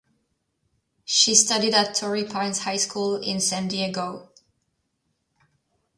She studied at Torrey Pines High School in San Diego.